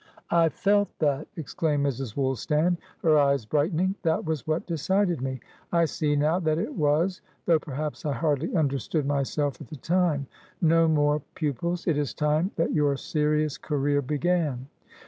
"I felt that!" exclaimed Mrs. Woolstan, her eyes brightening. "That was what decided me; I see now that it wasthough perhaps, I hardly understood myself at the time. No more pupils! It is time that your serious career began."